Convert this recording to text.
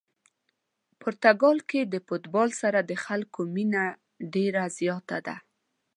پرتګال کې د فوتبال سره د خلکو مینه ډېره زیاته ده.